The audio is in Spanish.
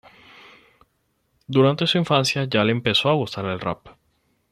Durante su infancia ya le empezó a gustar el rap.